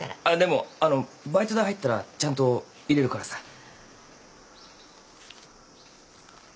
あっでもあのバイト代入ったらちゃんと入れるからさ。